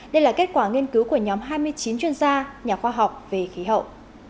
đây là kết quả nghiên cứu của nhóm hai mươi chín chuyên gia nhà khoa học về khí hậu